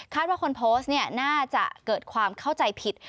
ว่าคนโพสต์น่าจะเกิดความเข้าใจผิด